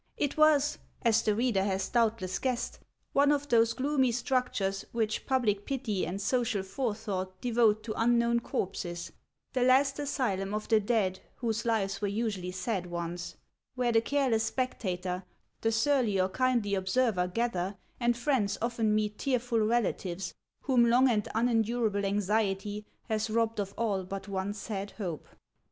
It was — as the reader has doubtless guessed — one of those gloomy structures which public pity and social forethought devote to un known corpses, the last asylum of the dead, whose lives were usually sad ones ; where the careless spectator, the surly or kindly observer gather, and friends often meet tearful relatives, whom long and unendurable anxiety has robbed of all but one sad hope.